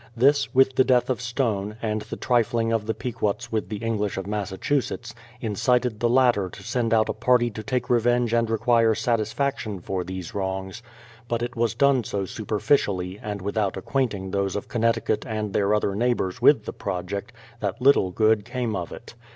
This, with the death of Stone, and the trifling of the Pequots with the English of Massachusetts, incited the latter to send out a party to take revenge and require satisfaction for these wrongs ; but it was done so superficially, and without acquainting those of Connecticut and their other neigh bours with the project, that little good came of it.